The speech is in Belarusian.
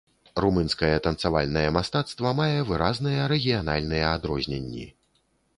Румынскае танцавальнае мастацтва мае выразныя рэгіянальныя адрозненні.